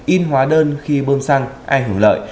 in hóa đơn khi bơm xăng ai hưởng lợi